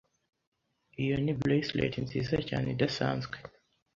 Iyo ni bracelet nziza cyane idasanzwe.